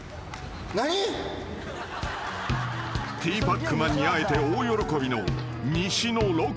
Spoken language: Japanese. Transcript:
［ティーパックマンに会えて大喜びの西のロケ